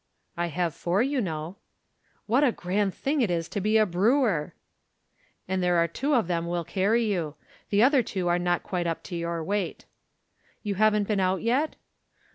"I have four, you know." "What a grand thing it is to be a brewer!" "And there are two of them will carry you. The other two are not quite up to your weight." "You haven't been out yet?"